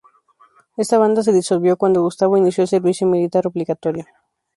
Esta banda se disolvió cuando Gustavo inició el servicio militar obligatorio.